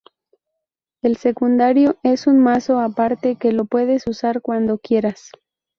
El secundario es un mazo a parte, que lo puedes usar cuando quieras.